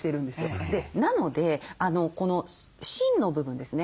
なのでこの芯の部分ですね